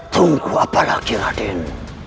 tunggu apa lagi raden